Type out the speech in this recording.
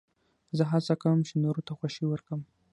زه هڅه کوم، چي نورو ته خوښي ورکم.